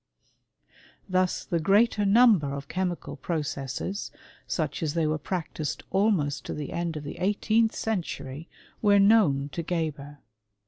.\ \l^ Thus the greater number of chemical processes, smtf as thej were practised almost to the end of the eighteendl century, were known to Geber.